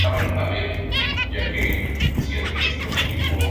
Se encuentra regado por tributarios del río Actopan.